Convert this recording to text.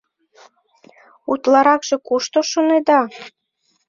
Утларакше кушто шонеда?